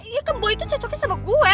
ya kan boy itu cocoknya sama gue